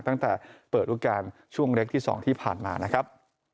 ตั้งแต่เปิดรูปการณ์ช่วงเล็กที่๒ที่ผ่านมานะครับ